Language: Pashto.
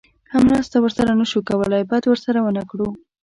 که مرسته ورسره نه شو کولی بد ورسره ونه کړو.